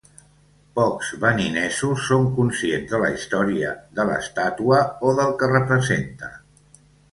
Pocs beninesos són conscients de la història de l'estàtua o del que representa.